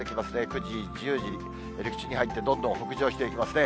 ９時、１０時、陸地に入ってどんどん北上していきますね。